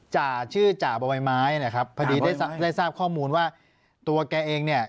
จ่าชื่อจ่าบ่อยไม้นะครับพอดีได้ทราบข้อมูลว่าตัวแกเองเนี่ย